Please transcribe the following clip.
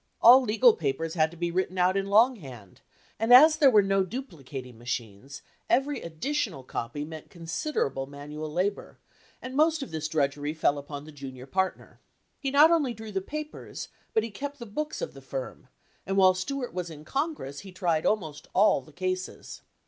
All legal papers had to 76 FIRST PARTNERSHIP be written out in long hand, and as there were no duplicating machines, every additional copy meant considerable manual labor, and most of this drudgery fell upon the junior partner. He not only drew the papers, but he kept the books of the firm, and while Stuart was in Congress he tried almost all the cases.